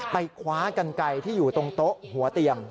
ไปคว้ากันไกลที่อยู่ตรงโต๊ะหัวเตียง